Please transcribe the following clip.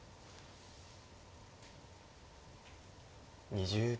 ２０秒。